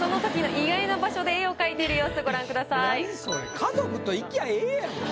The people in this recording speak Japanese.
家族と行きゃええやん。